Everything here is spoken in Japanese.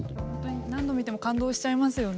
何度見ても感動しちゃいますよね。